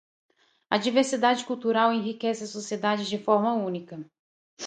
A diversidade cultural enriquece a sociedade de forma única.